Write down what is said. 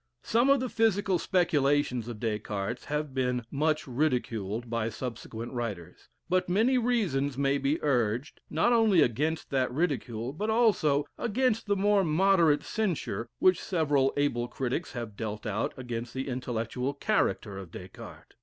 Some of the physical speculations of Des Cartes have been much ridiculed by subsequent writers; but many reasons may be urged, not only against that ridicule, but also against the more moderate censure which several able critics have dealt out against the intellectual character of Des Cartes.